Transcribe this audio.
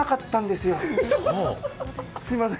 すいません。